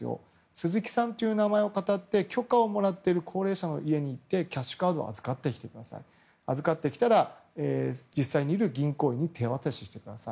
スズキさんという名前をかたって許可をもらってる高齢者の家に行ってキャッシュカードを預かってきて預かったら、現場にいる銀行員に手渡ししてください。